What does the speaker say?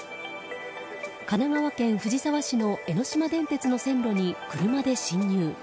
神奈川県藤沢市の江ノ島電鉄の線路に車で侵入。